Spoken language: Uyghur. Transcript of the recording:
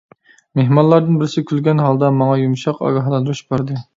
مېھمانلاردىن بىرسى كۈلگەن ھالدا ماڭا يۇمشاق ئاگاھلاندۇرۇش بەردى.